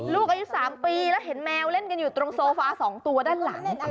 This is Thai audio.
ลูกอายุ๓ปีแล้วเห็นแมวเล่นกันอยู่ตรงโซฟา๒ตัวด้านหลัง